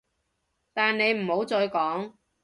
但你唔好再講